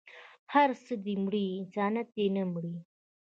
هر څه دې مري انسانيت دې نه مري